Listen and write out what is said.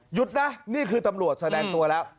หยุดนะนี่คือตำรวจแสดงตัวแล้ว